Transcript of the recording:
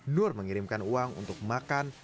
nur mengirimkan uang untuk makan